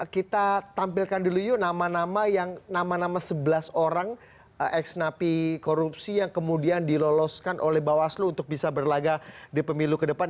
kita tampilkan dulu yuk nama nama yang nama nama sebelas orang ex napi korupsi yang kemudian diloloskan oleh bawaslu untuk bisa berlaga di pemilu ke depan